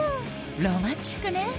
ロマンチックね